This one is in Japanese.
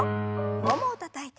ももをたたいて。